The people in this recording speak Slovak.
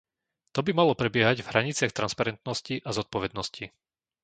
To by malo prebiehať v hraniciach transparentnosti a zodpovednosti.